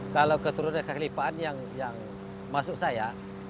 kalau keturunan kekelipaan yang masuk saya